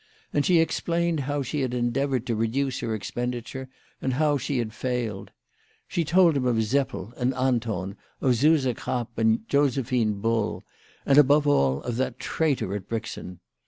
And she ex plained how she had endeavoured to reduce her expen diture, and how she had failed. She told him of Seppel and Anton, of Suse Krapp and Josephine Bull, and, above all, of that traitor at Brixen